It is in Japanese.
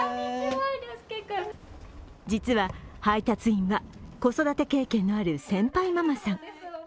実は配達員は、子育て経験のある先輩ママさん。